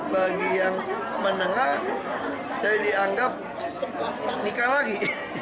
bagi yang menengah saya dianggap nikah lagi